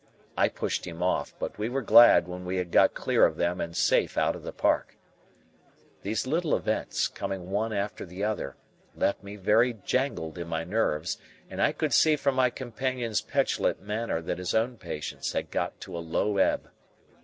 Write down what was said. I pushed him off, but we were glad when we had got clear of them and safe out of the park. These little events, coming one after the other, left me very jangled in my nerves, and I could see from my companion's petulant manner that his own patience had got to a low ebb.